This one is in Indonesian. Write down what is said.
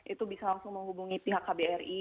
itu bisa langsung menghubungi pihak kbri